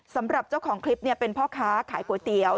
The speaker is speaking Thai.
สำหรับเจ้าของคลิปเป็นพ่อค้าขายก๋วยเตี๋ยว